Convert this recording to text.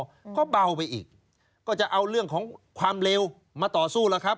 แบบที่เกิดไกลไปอีกก็จะเอาเรื่องของความเร็วมาต่อสู้เลยครับ